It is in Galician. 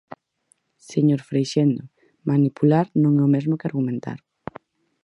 Señor Freixendo, manipular non é o mesmo que argumentar.